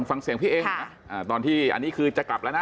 ฟังเสียงพี่เองนะตอนที่อันนี้คือจะกลับแล้วนะ